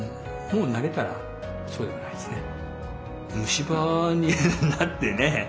虫歯になってね